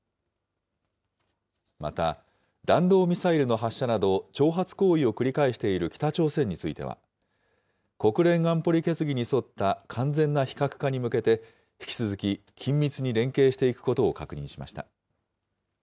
また弾道ミサイルの発射など、挑発行為を繰り返している北朝鮮については、国連安保理決議に沿った完全な非核化に向けて、引き続き緊密に連携していくことを確認しました。